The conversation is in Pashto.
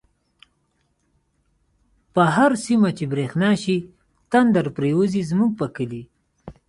په هر سيمه چی بريښنا شی، تندر پر يوزی زموږ په کلی